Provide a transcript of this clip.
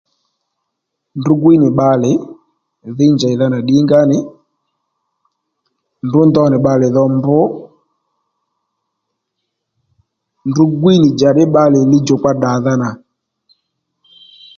Ndrǔ gwíy nì bbalè dhǐy njèydha nà ddìnga ó nì ndrǔ ndo nì bbalè dho mbr ndrǔ gwíy nì njàddí bbalè lidjòkpa ddàdha nà